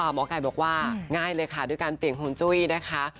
หมอไก่บอกว่าง่ายเลยค่ะด้วยการเปลี่ยนห่วงจุ้ยนะคะ